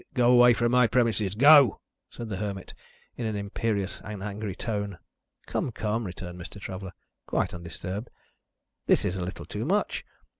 Go away from my premises. Go!" said the Hermit, in an imperious and angry tone. "Come, come!" returned Mr. Traveller, quite undisturbed. "This is a little too much.